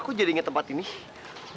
dulu aku ngerasainnya